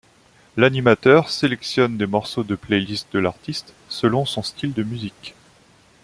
L'animateur sélectionne des morceaux de playlist de l'artiste selon son style de musique.